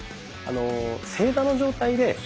あの正座の状態で。